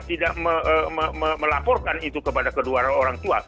tidak melaporkan itu kepada kedua orang tua